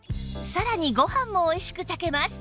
さらにご飯もおいしく炊けます